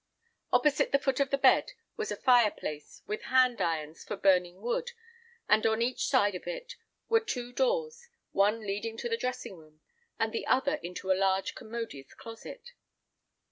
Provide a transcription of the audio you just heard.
Opposite the foot of the bed was a fire place, with hand irons for burning wood, and on each side of it were two doors, one leading into the dressing room, and the other into a large commodious closet.